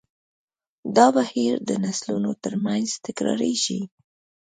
دا بهیر د نسلونو تر منځ تکراریږي.